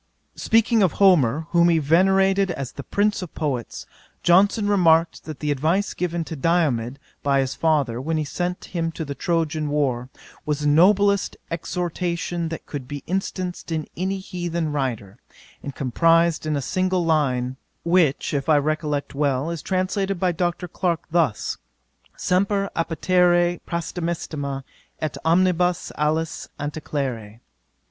'Speaking of Homer, whom he venerated as the prince of poets, Johnson remarked that the advice given to Diomed by his father, when he sent him to the Trojan war, was the noblest exhortation that could be instanced in any heathen writer, and comprised in a single line: [Greek: Aien aristeuein, kai hupeirochon emmenai allon ] which, if I recollect well, is translated by Dr. Clarke thus: semper appetere praestantissima, et omnibus aliis antecellere.